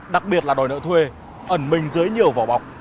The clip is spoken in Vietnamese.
đặc biệt là đòi nợ thuê ẩn mình dưới nhiều vỏ bọc